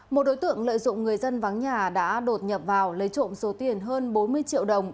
một đối tượng lợi dụng người dân vắng nhà đã đột nhập vào lấy trộm số tiền hơn bốn mươi triệu đồng